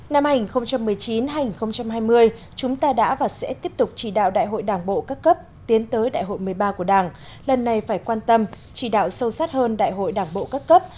năm hai nghìn một mươi chín hai nghìn hai mươi chúng ta đã và sẽ tiếp tục chỉ đạo đại hội đảng bộ các cấp tiến tới đại hội một mươi ba của đảng lần này phải quan tâm chỉ đạo sâu sát hơn đại hội đảng bộ các cấp